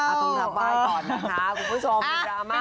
ต้องรับไหว้ก่อนนะคะคุณผู้ชมดราม่า